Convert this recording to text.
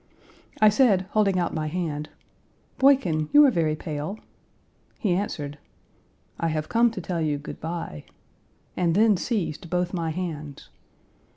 I said, holding out my hand, 'Boykin, you are very pale' He answered, 'I have come to tell you good by,' and then seized both my hands.